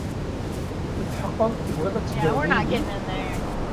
Tetḥeqqeḍ tebɣiḍ ad teddreḍ yid-i?